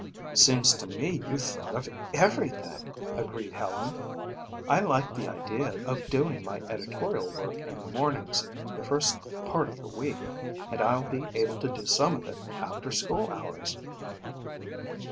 "Seems to me you've thought of everything," agreed Helen. "I like the idea of doing my editorial work in the mornings the first part of the week and I'll be able to do some of it after school hours."